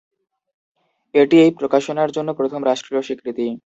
এটি এই প্রকাশনার জন্য প্রথম রাষ্ট্রীয় স্বীকৃতি।